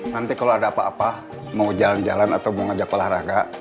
nanti kalau ada apa apa mau jalan jalan atau mau ngajak olahraga